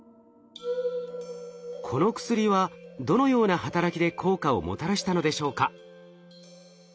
この薬はどのような働きで効果をもたらしたのでしょうか？